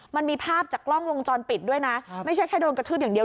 มันมีภาพจากกล้องวงจรปิดด้วยนะไม่ใช่แค่โดนกระทืบอย่างเดียว